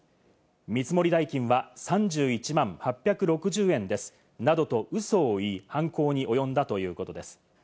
見積もり代金は３１万８６０円ですなどとウソを言い、犯行に及んだということです。